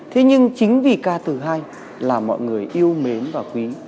thế nhưng chính vì ca từ hay là mọi người yêu mến và quý